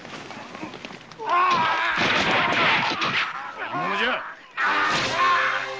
何者じゃ？